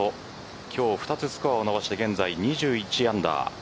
今日２つスコアを伸ばして現在２１アンダー。